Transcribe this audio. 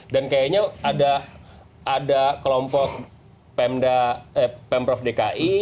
dan kayaknya ada kelompok pemprov dki